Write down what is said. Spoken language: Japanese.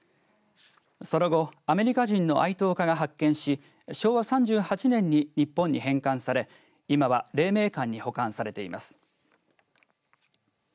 その後アメリカ人の愛刀家が発見し昭和３８年に日本に返還され今は黎明館に保管されています。